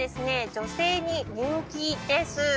女性に人気です